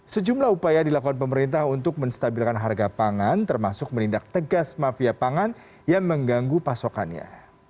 sejumlah upaya dilakukan pemerintah untuk menstabilkan harga pangan termasuk menindak tegas mafia pangan yang mengganggu pasokannya